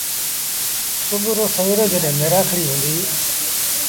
سُڀوٚ رو سويرو جڏهيݩٚ ميرآکڙيٚ هُنٚديٚ